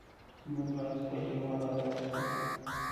موږ باید خپل هیواد آباد کړو.